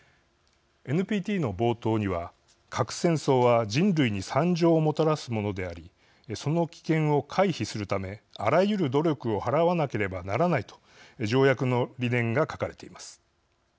ＮＰＴの冒頭には核戦争は人類に惨状をもたらすものでありその危険を回避するためあらゆる努力を払わなければならないと条約の理念が書かれています。